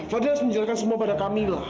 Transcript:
fadil harus menjelaskan semua pada kamila